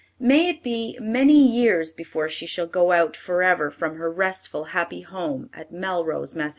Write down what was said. May it be many years before she shall go out forever from her restful, happy home, at Melrose, Mass.